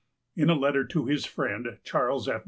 In a letter to his friend Charles F.